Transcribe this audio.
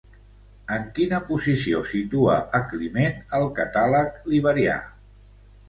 En quina posició situa a Climent el Catàleg Liberià?